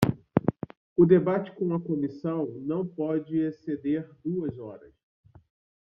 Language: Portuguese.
O debate com a comissão não pode exceder duas horas.